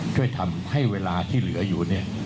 ค่อยทำให้เวลาที่เหลืออยู่